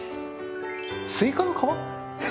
スイカの皮？